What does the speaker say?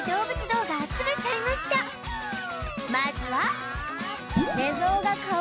まずは